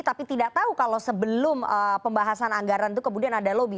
tapi tidak tahu kalau sebelum pembahasan anggaran itu kemudian ada lobby